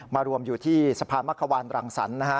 รวมอยู่ที่สะพานมะควานรังสรรค์นะฮะ